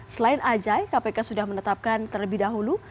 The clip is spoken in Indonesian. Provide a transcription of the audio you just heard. selain ajai kpk sudah menetapkan terlebih dahulu